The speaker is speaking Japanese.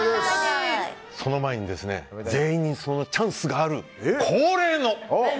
その前に、全員にそのチャンスがある恒例の。